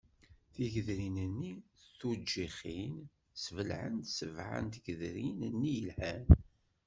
Tigedrin-nni tujjixin sbelɛent sebɛa n tgedrin-nni yelhan.